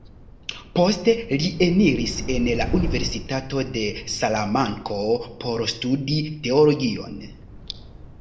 Poste li eniris en la Universitato de Salamanko, por studi Teologion.